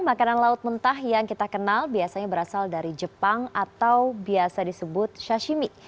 makanan laut mentah yang kita kenal biasanya berasal dari jepang atau biasa disebut shashimi